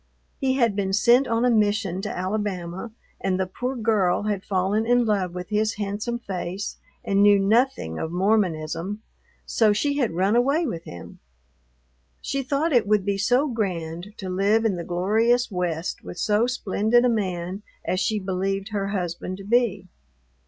He had been sent on a mission to Alabama, and the poor girl had fallen in love with his handsome face and knew nothing of Mormonism, so she had run away with him. She thought it would be so grand to live in the glorious West with so splendid a man as she believed her husband to be.